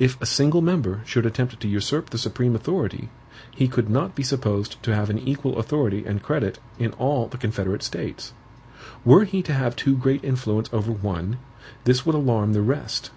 "If a single member should attempt to usurp the supreme authority, he could not be supposed to have an equal authority and credit in all the confederate states. Were he to have too great influence over one, this would alarm the rest.